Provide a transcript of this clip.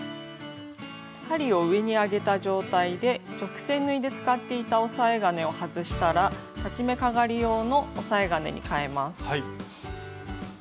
針を上に上げた状態で直線縫いで使っていた押さえ金を外したら裁ち目かがり用の押さえ金にかえます。